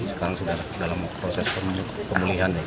sekarang sudah dalam proses pemulihan ya